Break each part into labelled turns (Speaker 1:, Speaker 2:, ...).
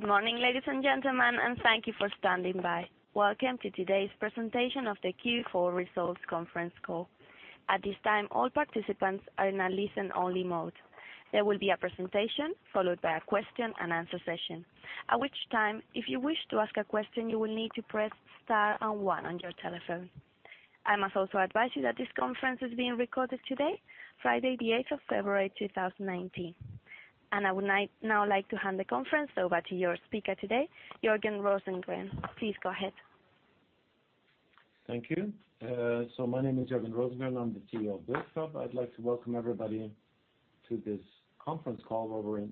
Speaker 1: Good morning, ladies and gentlemen, and thank you for standing by. Welcome to today's presentation of the Q4 Results Conference Call. At this time, all participants are in a listen-only mode. There will be a presentation, followed by a question and answer session, at which time, if you wish to ask a question, you will need to press star and one on your telephone. I must also advise you that this conference is being recorded today, Friday, the eighth of February, two thousand and nineteen. And I would now like to hand the conference over to your speaker today, Jörgen Rosengren. Please go ahead.
Speaker 2: Thank you. So my name is Jörgen Rosengren. I'm the CEO of Bufab. I'd like to welcome everybody to this conference call, where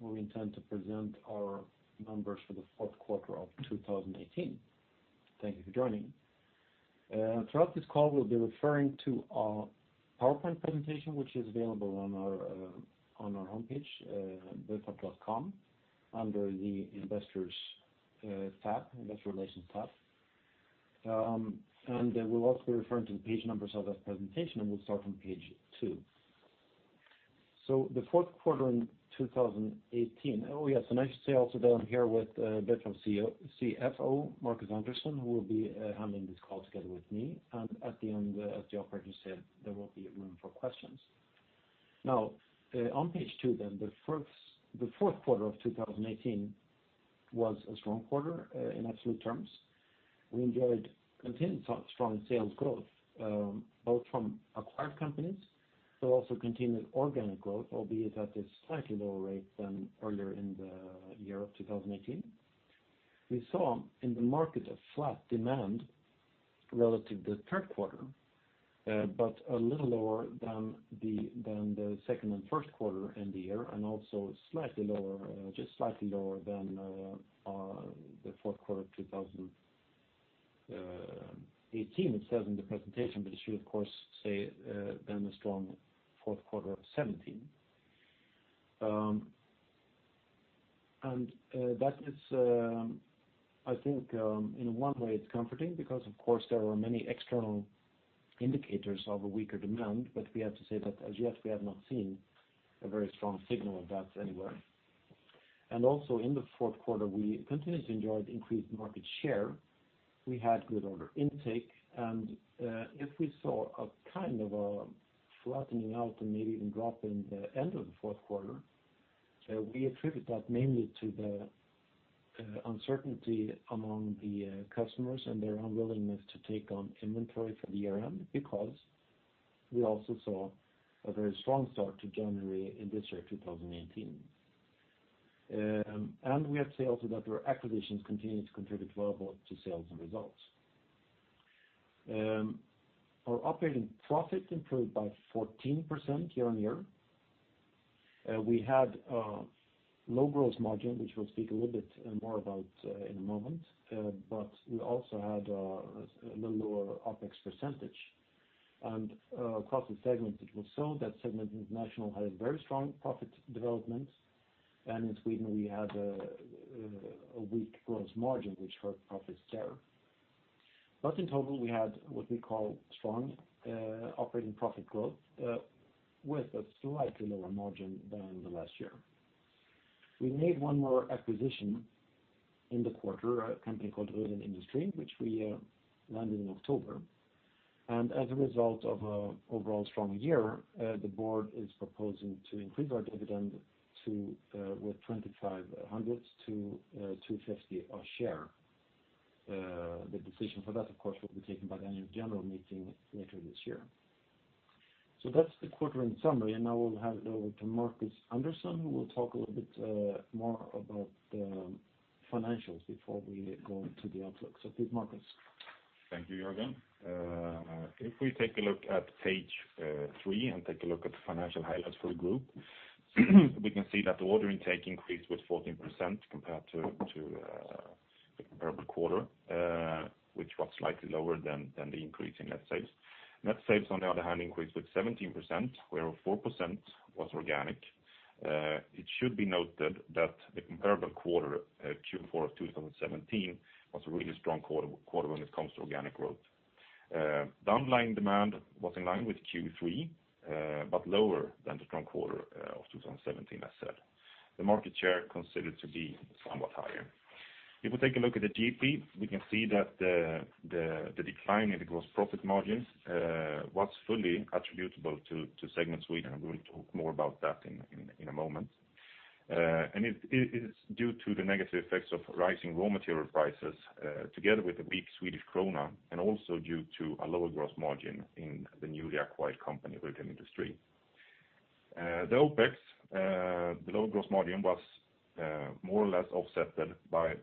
Speaker 2: we intend to present our numbers for the fourth quarter of 2018. Thank you for joining. Throughout this call, we'll be referring to our PowerPoint presentation, which is available on our homepage, bufab.com, under the Investors tab, Investor Relations tab. And we'll also be referring to the page numbers of that presentation, and we'll start on page 2. So the fourth quarter in 2018. Oh, yes, and I should say also that I'm here with Bufab's CFO, Marcus Andersson, who will be handling this call together with me. And at the end, as the operator said, there will be room for questions. Now, on page two, then, the fourth quarter of 2018 was a strong quarter in absolute terms. We enjoyed continued strong sales growth, both from acquired companies, but also continued organic growth, albeit at a slightly lower rate than earlier in the year of 2018. We saw in the market a flat demand relative to the third quarter, but a little lower than the second and first quarter in the year, and also slightly lower, just slightly lower than the fourth quarter of 2018. It says in the presentation, but it should, of course, say than the strong fourth quarter of 2017. And that is, I think, in one way, it's comforting because, of course, there are many external indicators of a weaker demand. But we have to say that as yet, we have not seen a very strong signal of that anywhere. And also, in the fourth quarter, we continuously enjoyed increased market share. We had good order intake, and if we saw a kind of a flattening out and maybe even drop in the end of the fourth quarter, we attribute that mainly to the uncertainty among the customers and their unwillingness to take on inventory for the year end, because we also saw a very strong start to January in this year, 2019. And we have seen also that our acquisitions continue to contribute well both to sales and results. Our operating profit improved by 14% year-on-year. We had a low gross margin, which we'll speak a little bit more about in a moment, but we also had a little lower OpEx percentage. And across the segment, it was so that segment International had a very strong profit development. And in Sweden, we had a weak gross margin, which hurt profits there. But in total, we had what we call strong operating profit growth with a slightly lower margin than the last year. We made one more acquisition in the quarter, a company called Rudhäll, which we landed in October. And as a result of an overall strong year, the board is proposing to increase our dividend to, with 25% to, 2.50 a share. The decision for that, of course, will be taken by the annual general meeting later this year. So that's the quarter in summary, and now we'll hand it over to Marcus Andersson, who will talk a little bit, more about the financials before we go into the outlook. So please, Marcus.
Speaker 3: Thank you, Jörgen. If we take a look at page 3 and take a look at the financial highlights for the group, we can see that the order intake increased with 14% compared to the comparable quarter, which was slightly lower than the increase in net sales. Net sales, on the other hand, increased with 17%, where 4% was organic. It should be noted that the comparable quarter, Q4 of 2017, was a really strong quarter when it comes to organic growth. The underlying demand was in line with Q3, but lower than the strong quarter of 2017, as said. The market share considered to be somewhat higher. If we take a look at the GP, we can see that the decline in the gross profit margins was fully attributable to Segment Sweden, and we will talk more about that in a moment. It is due to the negative effects of rising raw material prices together with the weak Swedish krona, and also due to a lower gross margin in the newly acquired company, Rudhäll Industri. The lower gross margin was more or less offset by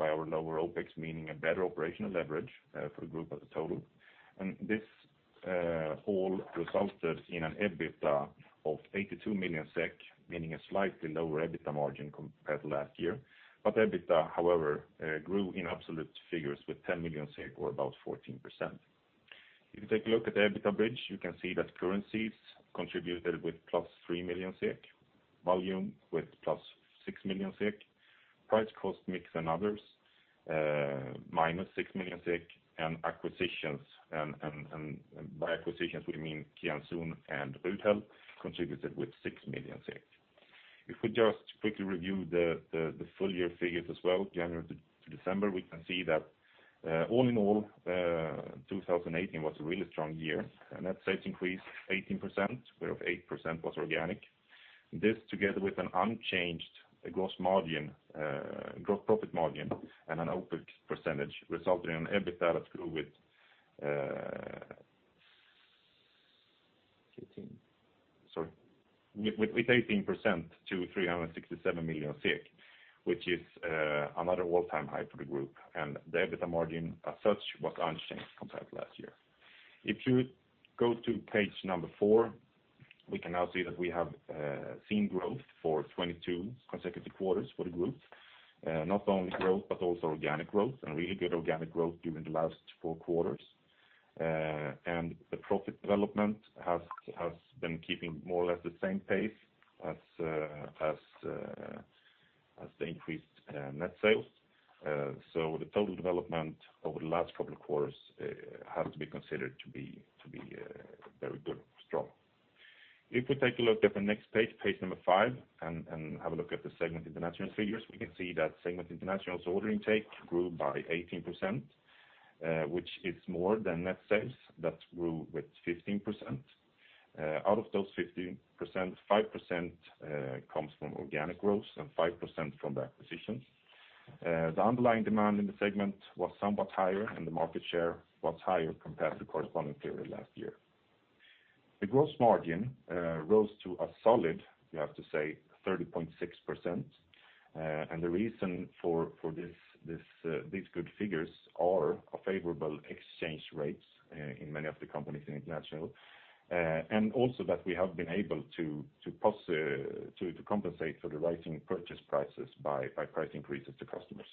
Speaker 3: our lower OpEx, meaning a better operational leverage for the group as a total. This all resulted in an EBITDA of 82 million SEK, meaning a slightly lower EBITDA margin compared to last year. But EBITDA, however, grew in absolute figures with 10 million or about 14%. If you take a look at the EBITDA bridge, you can see that currencies contributed with +3 million SEK, volume with +6 million SEK, price cost mix and others, minus 6 million SEK, and acquisitions, and by acquisitions, we mean Kian Soon and Rudhäll, contributed with 6 million SEK. If we just quickly review the full year figures as well, January to December, we can see that all in all, 2018 was a really strong year. Net sales increased 18%, whereof 8% was organic. This, together with an unchanged gross margin, gross profit margin, and an OpEx percentage, resulted in an EBITDA that grew with... Sorry, with 18% to 367 million SEK, which is another all-time high for the group, and the EBITDA margin, as such, was unchanged compared to last year. If you go to page number four, we can now see that we have seen growth for 22 consecutive quarters for the group. Not only growth, but also organic growth, and really good organic growth during the last four quarters. And the profit development has been keeping more or less the same pace as the increased net sales. So the total development over the last couple of quarters has to be considered to be very good, strong. If we take a look at the next page, page number 5, and have a look at the Segment International figures, we can see that Segment International's order intake grew by 18%, which is more than net sales, that grew with 15%. Out of those 15%, 5% comes from organic growth, and 5% from the acquisitions. The underlying demand in the segment was somewhat higher, and the market share was higher compared to corresponding period last year. The gross margin rose to a solid, you have to say, 30.6%. And the reason for this, these good figures are a favorable exchange rates in many of the companies in international. And also that we have been able to compensate for the rising purchase prices by price increases to customers.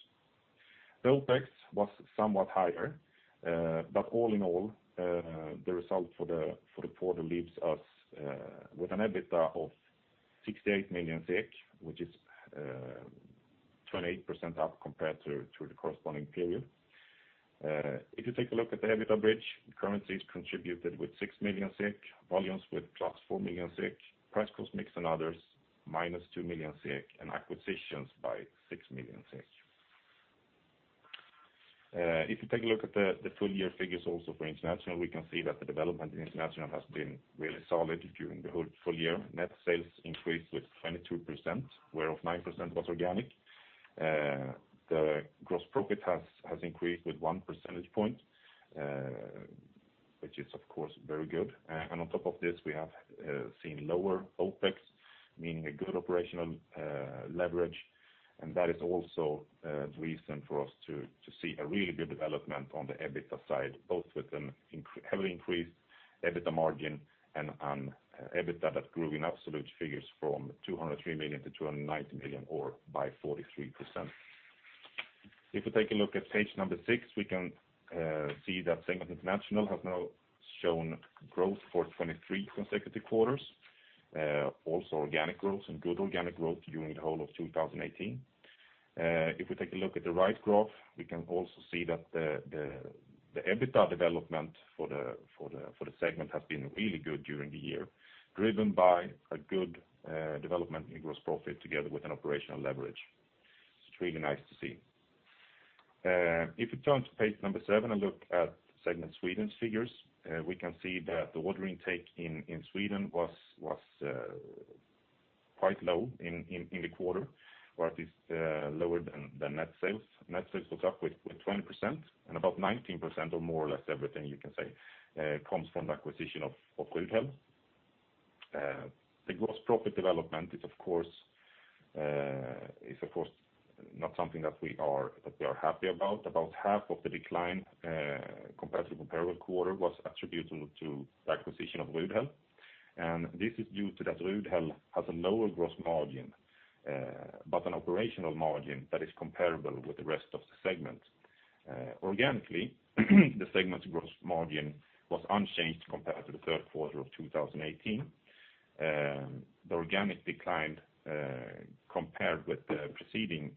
Speaker 3: OpEx was somewhat higher, but all in all, the result for the quarter leaves us with an EBITDA of 68 million SEK, which is 28% up compared to the corresponding period. If you take a look at the EBITDA bridge, currencies contributed with 6 million, volumes with +4 million, price, cost mix and others -2 million, and acquisitions by 6 million. If you take a look at the full year figures also for international, we can see that the development in international has been really solid during the full year. Net sales increased with 22%, whereof 9% was organic. The gross profit has increased with 1 percentage point, which is, of course, very good. And on top of this, we have seen lower OpEx, meaning a good operational leverage. And that is also the reason for us to see a really good development on the EBITDA side, both with a heavily increased EBITDA margin and an EBITDA that grew in absolute figures from 203 million to 290 million, or by 43%. If we take a look at page 6, we can see that segment International has now shown growth for 23 consecutive quarters. Also organic growth, and good organic growth during the whole of 2018. If we take a look at the right graph, we can also see that the EBITDA development for the segment has been really good during the year, driven by a good development in gross profit together with an operational leverage. It's really nice to see. If we turn to page 7 and look at Segment Sweden's figures, we can see that the order intake in Sweden was quite low in the quarter, or at least lower than net sales. Net sales was up with 20%, and about 19% or more or less everything you can say comes from the acquisition of Rudhäll. The gross profit development is, of course, not something that we are happy about. About half of the decline, compared to the parallel quarter, was attributable to the acquisition of Rudhäll. This is due to that Rudhäll has a lower gross margin, but an operational margin that is comparable with the rest of the segment. Organically, the segment's gross margin was unchanged compared to the third quarter of 2018. The organic decline, compared with the preceding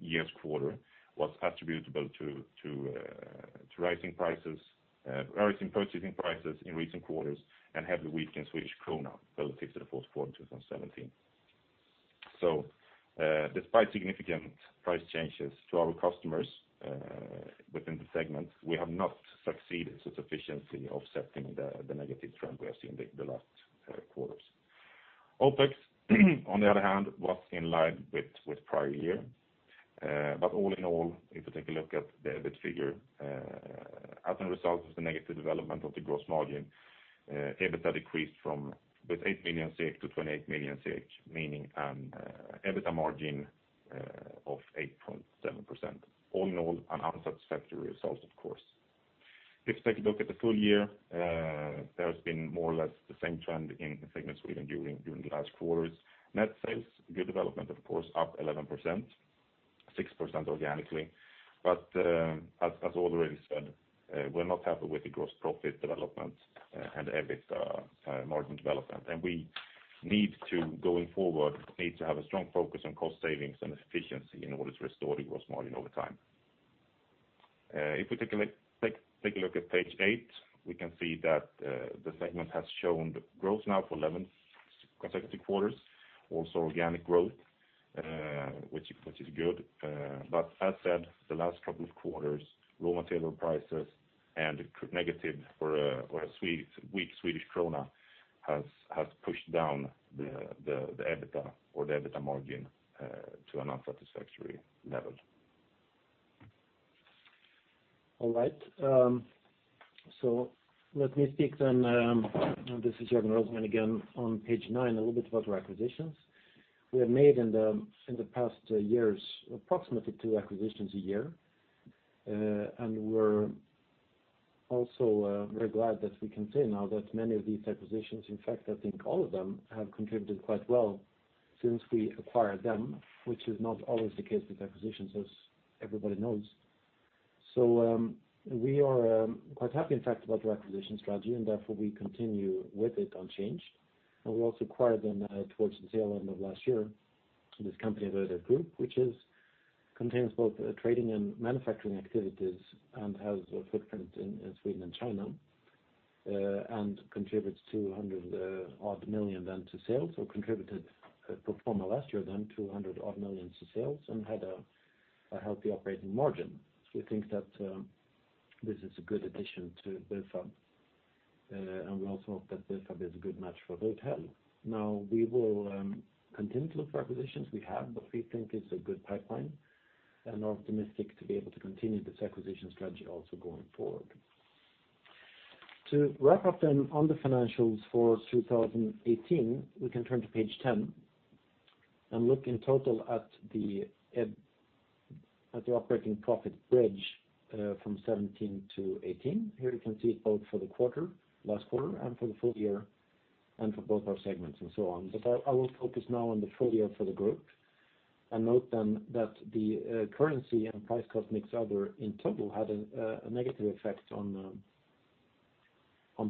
Speaker 3: year's quarter, was attributable to rising prices, rising purchasing prices in recent quarters, and the weakened Swedish krona relative to the fourth quarter of 2017. Despite significant price changes to our customers, within the segment, we have not succeeded in sufficiently offsetting the negative trend we have seen the last quarters. OpEx, on the other hand, was in line with prior year. But all in all, if you take a look at the EBIT figure, as a result of the negative development of the gross margin, EBITDA decreased from 38 million to 28 million, meaning an EBITDA margin of 8.7%. All in all, an unsatisfactory result, of course. If you take a look at the full year, there has been more or less the same trend in Segment Sweden during the last quarters. Net sales, good development, of course, up 11%, 6% organically. But, as already said, we're not happy with the gross profit development and EBITDA margin development. And we-... needs to, going forward, need to have a strong focus on cost savings and efficiency in order to restore the gross margin over time. If we take a look at page 8, we can see that the segment has shown the growth now for 11 consecutive quarters, also organic growth, which is good. But as said, the last couple of quarters, raw material prices and a weak Swedish krona has pushed down the EBITDA or the EBITDA margin to an unsatisfactory level.
Speaker 2: All right. So let me speak then, this is Jörgen Rosengren again. On page 9, a little bit about our acquisitions. We have made in the past years, approximately 2 acquisitions a year. And we're also very glad that we can say now that many of these acquisitions, in fact, I think all of them, have contributed quite well since we acquired them, which is not always the case with acquisitions, as everybody knows. So, we are quite happy, in fact, about our acquisition strategy, and therefore we continue with it unchanged. And we also acquired then towards the tail end of last year, this company, Rudhäll Group, which contains both trading and manufacturing activities, and has a footprint in Sweden and China, and contributes 200-odd million then to sales, or contributed pro forma last year then, 200-odd million to sales, and had a healthy operating margin. We think that this is a good addition to Bufab, and we also hope that Bufab is a good match for Rudhäll. Now, we will continue to look for acquisitions. We have what we think is a good pipeline, and are optimistic to be able to continue this acquisition strategy also going forward. To wrap up then on the financials for 2018, we can turn to page 10 and look in total at the EBITDA bridge from 2017 to 2018. Here you can see it both for the quarter, last quarter, and for the full year, and for both our segments and so on. But I will focus now on the full year for the group. Note then, that the currency and price cost mix other in total had a negative effect on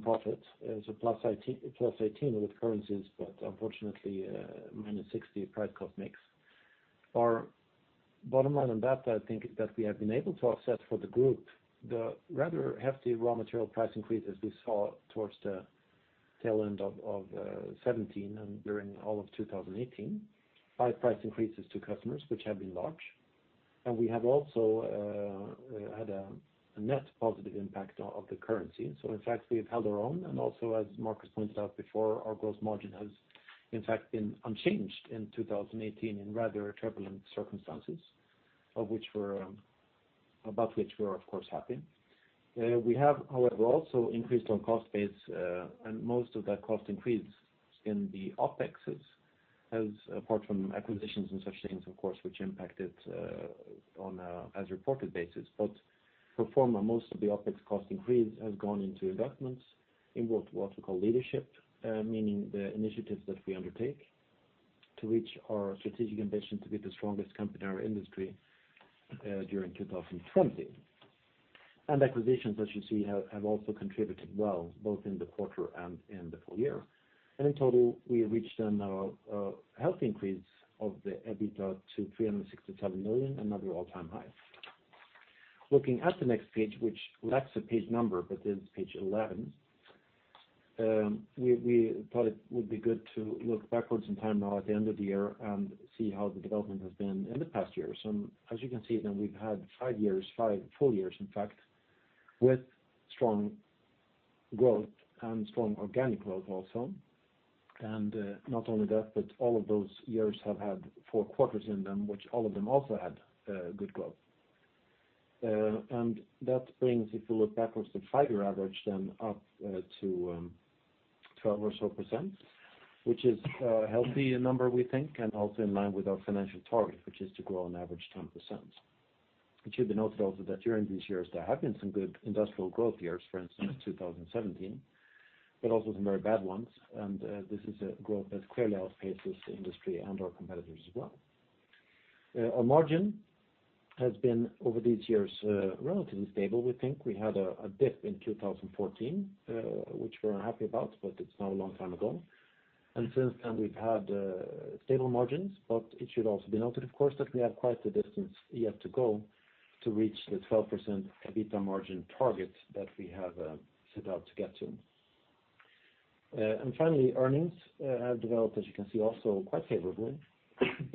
Speaker 2: profit. It's +18, +18 with currencies, but unfortunately, -60 price cost mix. Our bottom line on that, I think, is that we have been able to offset for the group the rather hefty raw material price increases we saw towards the tail end of 2017 and during all of 2018 by price increases to customers which have been large. And we have also had a net positive impact of the currency. So in fact, we've held our own, and also as Marcus pointed out before, our gross margin has, in fact, been unchanged in 2018, in rather turbulent circumstances, about which we are, of course, happy. We have, however, also increased on cost base, and most of that cost increase in the OpEx, as apart from acquisitions and such things, of course, which impacted on a as reported basis. But pro forma, most of the OpEx cost increase has gone into investments in what we call leadership, meaning the initiatives that we undertake to reach our strategic ambition to be the strongest company in our industry during 2020. And acquisitions, as you see, have also contributed well, both in the quarter and in the full year. And in total, we reached a healthy increase of the EBITDA to 367 million, another all-time high. Looking at the next page, which lacks a page number, but it is page 11. We thought it would be good to look backwards in time now at the end of the year and see how the development has been in the past years. As you can see, then we've had 5 years, 5 full years, in fact, with strong growth and strong organic growth also. Not only that, but all of those years have had 4 quarters in them, which all of them also had good growth. That brings, if you look backwards, the 5-year average then up to 12% or so, which is a healthy number, we think, and also in line with our financial target, which is to grow on average 10%. It should be noted also that during these years, there have been some good industrial growth years, for instance, 2017, but also some very bad ones. This is a growth that clearly outpaces the industry and our competitors as well. Our margin has been, over these years, relatively stable, we think. We had a dip in 2014, which we're unhappy about, but it's now a long time ago. Since then, we've had stable margins, but it should also be noted, of course, that we have quite a distance yet to go to reach the 12% EBITDA margin target that we have set out to get to. And finally, earnings have developed, as you can see, also quite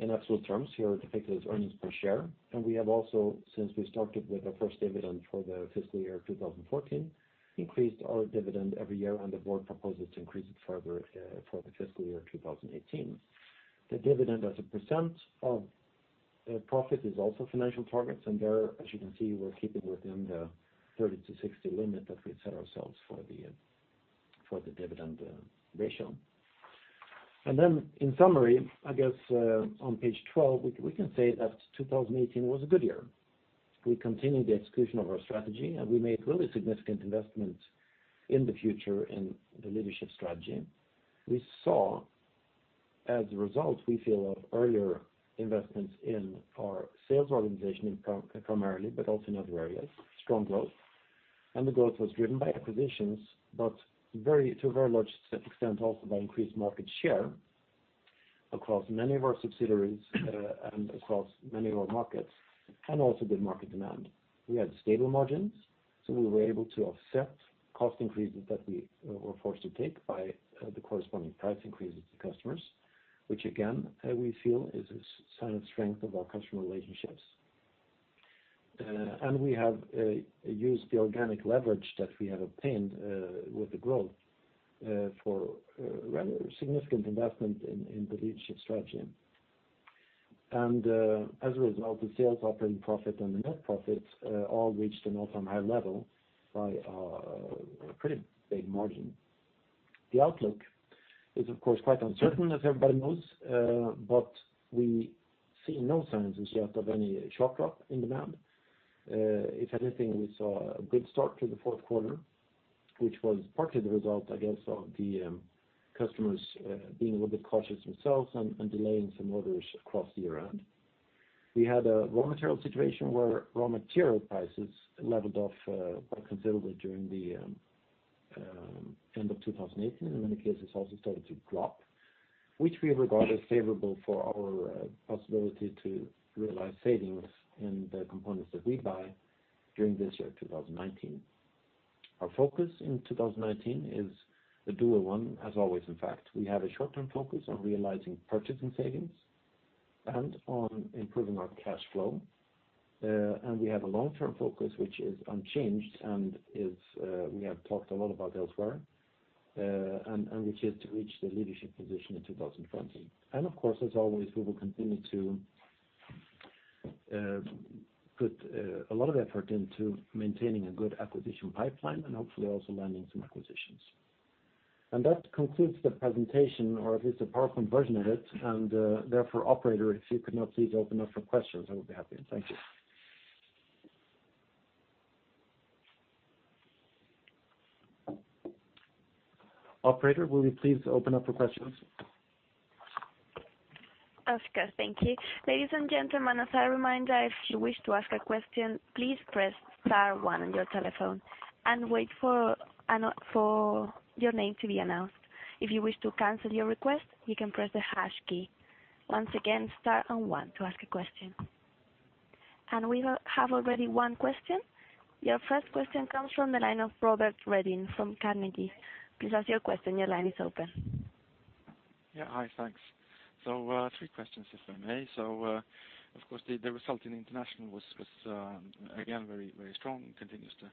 Speaker 2: favorably in absolute terms. Here, we take those earnings per share. We have also, since we started with our first dividend for the fiscal year of 2014, increased our dividend every year, and the board proposes to increase it further, for the fiscal year 2018. The dividend as a percent of profit is also financial targets, and there, as you can see, we're keeping within the 30%-60% limit that we've set ourselves for the dividend ratio. And then, in summary, I guess, on page 12, we can say that 2018 was a good year. We continued the execution of our strategy, and we made really significant investments in the future in the leadership strategy. We saw, as a result, we feel of earlier investments in our sales organization, primarily, but also in other areas, strong growth... and the growth was driven by acquisitions, but to a very large extent, also by increased market share across many of our subsidiaries, and across many of our markets, and also good market demand. We had stable margins, so we were able to offset cost increases that we were forced to take by the corresponding price increases to customers, which again, we feel is a sign of strength of our customer relationships. And we have used the organic leverage that we have obtained with the growth for rather significant investment in the leadership strategy. And, as a result, the sales, operating profit, and the net profits all reached an all-time high level by a pretty big margin. The outlook is, of course, quite uncertain, as everybody knows, but we see no signs as yet of any sharp drop in demand. If anything, we saw a good start to the fourth quarter, which was partly the result, I guess, of the customers being a little bit cautious themselves and, and delaying some orders across the year-end. We had a raw material situation where raw material prices leveled off quite considerably during the end of 2018, and in many cases also started to drop, which we regard as favorable for our possibility to realize savings in the components that we buy during this year, 2019. Our focus in 2019 is a dual one, as always, in fact. We have a short-term focus on realizing purchasing savings and on improving our cash flow. And we have a long-term focus, which is unchanged and is, we have talked a lot about elsewhere, and, and which is to reach the leadership position in 2020. And of course, as always, we will continue to put a lot of effort into maintaining a good acquisition pipeline and hopefully also landing some acquisitions. And that concludes the presentation, or at least the PowerPoint version of it, and, therefore, operator, if you could now please open up for questions, I would be happy. Thank you. Operator, will you please open up for questions?
Speaker 1: Rosengren, thank you. Ladies and gentlemen, as a reminder, if you wish to ask a question, please press star one on your telephone and wait for your name to be announced. If you wish to cancel your request, you can press the hash key. Once again, star and one to ask a question. We have already one question. Your first question comes from the line of Robert Redin from Carnegie. Please ask your question. Your line is open.
Speaker 4: Yeah. Hi, thanks. So, three questions, if I may. So, of course, the result in international was again very, very strong, continues to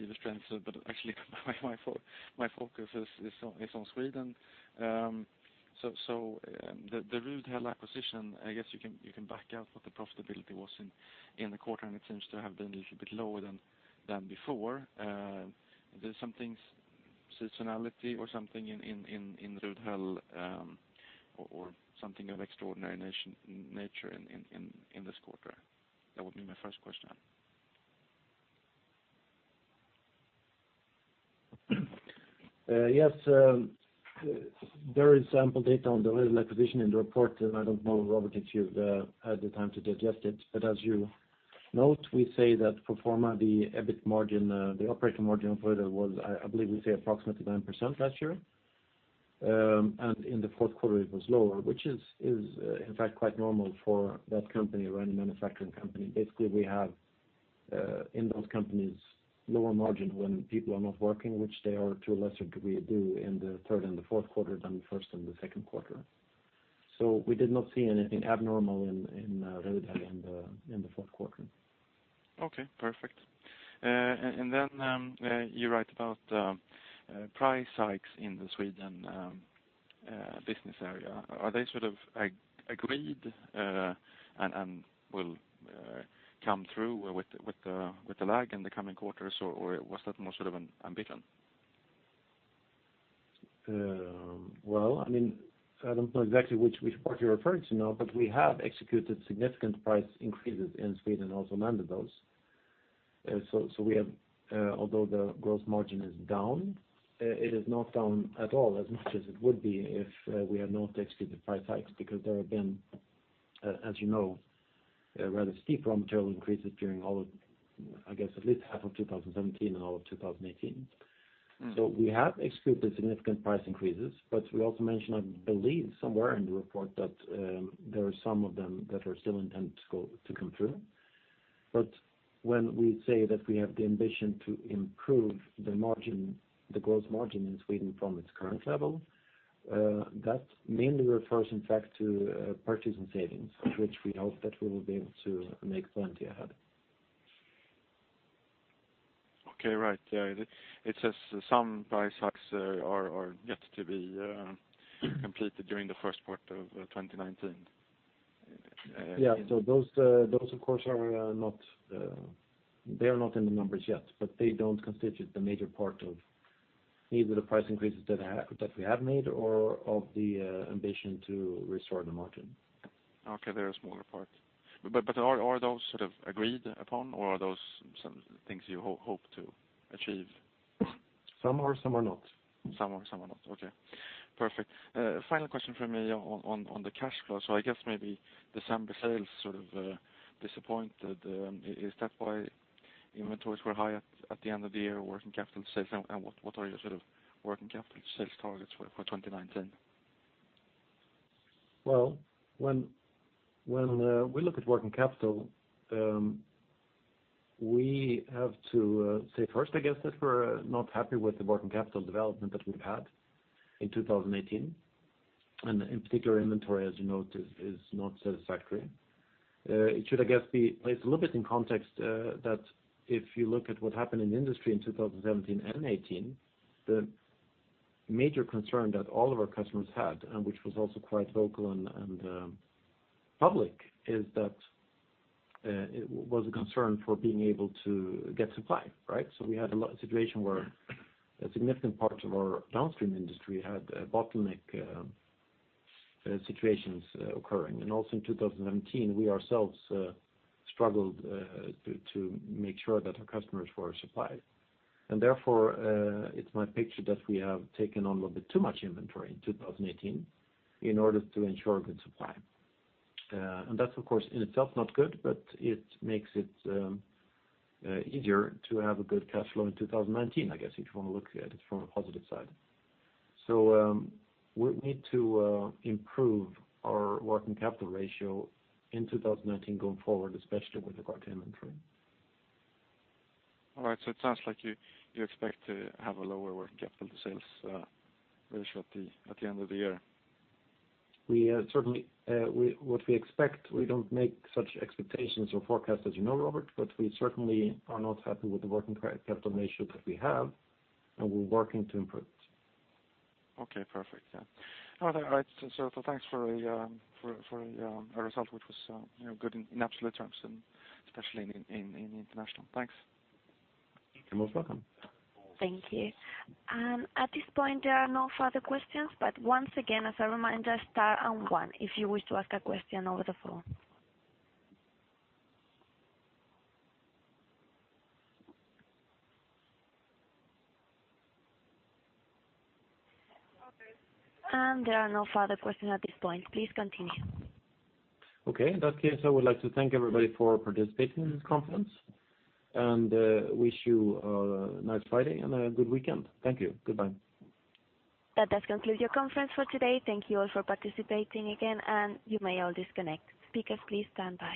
Speaker 4: be the strength. But actually, my focus is on Sweden. So, the Rudhäll acquisition, I guess you can back out what the profitability was in the quarter, and it seems to have been a little bit lower than before. There's some seasonality or something in Rudhäll, or something of extraordinary nature in this quarter? That would be my first question.
Speaker 2: Yes, there is sample data on the Rudhäll acquisition in the report. I don't know, Robert, if you've had the time to digest it. But as you note, we say that pro forma, the EBIT margin, the operating margin for it was, I believe we say approximately 9% last year. And in the fourth quarter, it was lower, which is in fact quite normal for that company or any manufacturing company. Basically, we have in those companies lower margin when people are not working, which they are to a lesser degree do in the third and the fourth quarter than the first and the second quarter. So we did not see anything abnormal in Rudhäll in the fourth quarter.
Speaker 4: Okay, perfect. You write about price hikes in the Sweden business area. Are they sort of agreed and will come through with the lag in the coming quarters, or was that more sort of an ambition?
Speaker 2: Well, I mean, I don't know exactly which part you're referring to now, but we have executed significant price increases in Sweden, also landed those. So we have, although the gross margin is down, it is not down at all as much as it would be if we had not executed the price hikes, because there have been, as you know, rather steep raw material increases during all of, I guess, at least half of 2017 and all of 2018.
Speaker 4: Mm.
Speaker 2: So we have executed significant price increases, but we also mentioned, I believe, somewhere in the report, that there are some of them that are still intended to come through. But when we say that we have the ambition to improve the margin, the gross margin in Sweden from its current level, that mainly refers, in fact, to purchasing savings, which we hope that we will be able to make plenty ahead.
Speaker 4: Okay, right. Yeah, it says some price hikes are yet to be completed during the first part of 2019.
Speaker 2: Yeah. So those of course are not in the numbers yet, but they don't constitute the major part of either the price increases that we have made or of the ambition to restore the margin.
Speaker 4: Okay, they're a smaller part. But are those sort of agreed upon, or are those some things you hope to achieve?...
Speaker 2: Some are, some are not.
Speaker 4: Some are, some are not. Okay, perfect. Final question from me on the cash flow. So I guess maybe December sales sort of disappointed. Is that why inventories were high at the end of the year, working capital sales? And what are your sort of working capital sales targets for 2019?
Speaker 2: Well, when we look at working capital, we have to say first, I guess, that we're not happy with the working capital development that we've had in 2018. And in particular, inventory, as you note, is not satisfactory. It should, I guess, be placed a little bit in context, that if you look at what happened in the industry in 2017 and 2018, the major concern that all of our customers had, and which was also quite vocal and public, is that it was a concern for being able to get supply, right? So we had a lot of situation where a significant part of our downstream industry had a bottleneck situations occurring. And also in 2019, we ourselves struggled to make sure that our customers were supplied. And therefore, it's my picture that we have taken on a little bit too much inventory in 2018 in order to ensure good supply. And that's, of course, in itself, not good, but it makes it easier to have a good cash flow in 2019, I guess, if you want to look at it from a positive side. So, we need to improve our working capital ratio in 2019 going forward, especially with regard to inventory.
Speaker 4: All right, so it sounds like you expect to have a lower working capital to sales ratio at the end of the year?
Speaker 2: We certainly, what we expect, we don't make such expectations or forecasts, as you know, Robert, but we certainly are not happy with the working capital ratio that we have, and we're working to improve it.
Speaker 4: Okay, perfect. Yeah. All right, so thanks for a result, which was, you know, good in international. Thanks.
Speaker 2: You're most welcome.
Speaker 1: Thank you. At this point, there are no further questions, but once again, as a reminder, star and one if you wish to ask a question over the phone. There are no further questions at this point. Please continue.
Speaker 2: Okay. In that case, I would like to thank everybody for participating in this conference, and wish you a nice Friday and a good weekend. Thank you. Goodbye.
Speaker 1: That does conclude your conference for today. Thank you all for participating again, and you may all disconnect. Speakers, please stand by.